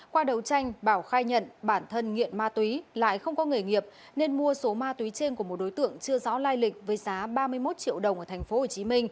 qua đấu tranh bảo khai nhận bản thân nghiện ma túy lại không có nghề nghiệp nên mua số ma túy trên của một đối tượng chưa rõ lai lịch với giá ba mươi một triệu đồng ở tp hcm